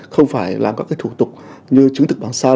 không phải làm các thủ tục như chứng thực bằng sao